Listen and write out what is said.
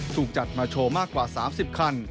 ถูกจัดมาโชว์มากกว่า๓๐คัน